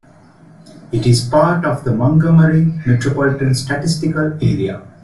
It is part of the Montgomery Metropolitan Statistical Area.